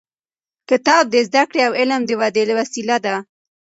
کتاب د زده کړې او علم د ودې وسیله ده.